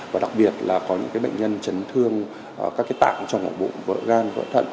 và đặc biệt là có những bệnh nhân chấn thương các tạng trong mổ bụng vỡ gan vỡ thận